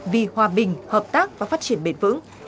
vì hòa bình hợp tác và phát triển bền vững